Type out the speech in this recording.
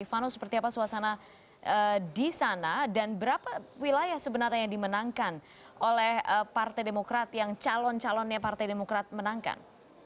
vano seperti apa suasana di sana dan berapa wilayah sebenarnya yang dimenangkan oleh partai demokrat yang calon calonnya partai demokrat menangkan